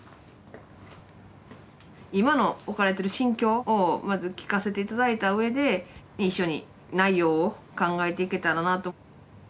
今の置かれてる心境をまず聞かせて頂いたうえで一緒に内容を考えていけたらなあと。